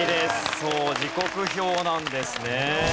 そう時刻表なんですね。